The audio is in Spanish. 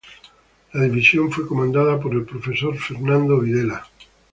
La división fue comandada por el profesor Fernando Videla.